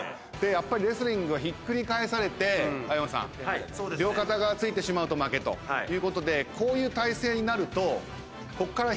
やっぱりレスリングはひっくり返されて青山さん両肩が着いてしまうと負けということでこういう体勢になるとこっから。